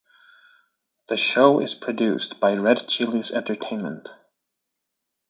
The show is produced by Red Chilies Entertainment.